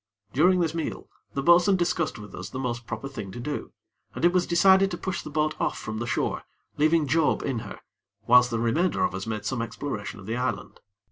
During this meal, the bo'sun discussed with us the most proper thing to do, and it was decided to push the boat off from the shore, leaving Job in her, whilst the remainder of us made some exploration of the island.